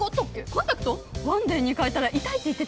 コンタクトワンデーに変えたら痛いって言ってたね。